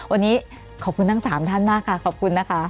วันนี้ขอบคุณทั้ง๓ท่านมากค่ะขอบคุณนะคะ